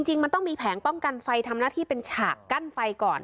จริงมันต้องมีแผงป้องกันไฟทำหน้าที่เป็นฉากกั้นไฟก่อน